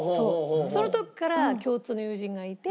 その時から共通の友人がいて。